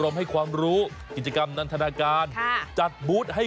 ในการเล่นทำซ้มตำแบบนี้